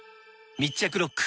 密着ロック！